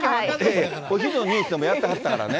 お昼のニュースでもやってはったからね。